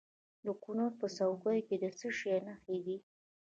د کونړ په څوکۍ کې د څه شي نښې دي؟